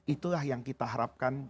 itulah yang kita harapkan